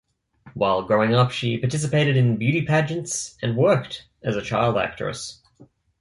While growing up, she participated in beauty pageants and worked as a child actress.